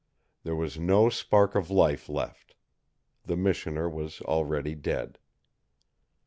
There was no spark of life left. The missioner was already dead.